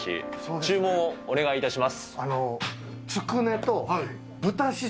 注文をお願いいたします。